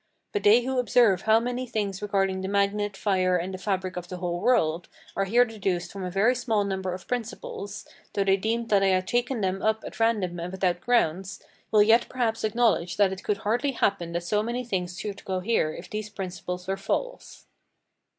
But they who observe how many things regarding the magnet, fire, and the fabric of the whole world, are here deduced from a very small number of principles, though they deemed that I had taken them up at random and without grounds, will yet perhaps acknowledge that it could hardly happen that so many things should cohere if these principles were false.